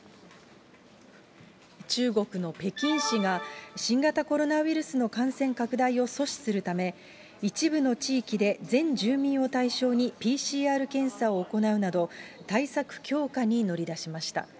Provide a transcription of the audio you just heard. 中国の北京市が新型コロナウイルスの感染拡大を阻止するため、一部の地域で全住民を対象にＰＣＲ検査を行うなど、対策強化に乗り出しました。